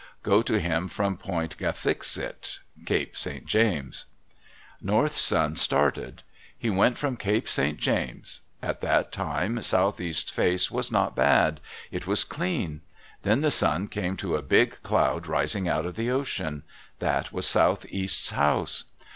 Go to him from Point Gafixet [Cape St. James]." North's son started. He went from Cape St. James. At that time Southeast's face was not bad. It was clean. Then the son came to a big cloud rising out of the ocean. That was Southeast's house.